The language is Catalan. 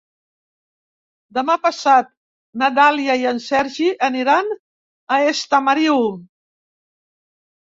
Demà passat na Dàlia i en Sergi aniran a Estamariu.